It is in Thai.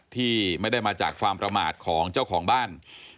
ที่ไม่ได้มาจากความประมาทของเจ้าของบ้าน